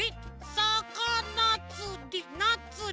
さかなつりなつり。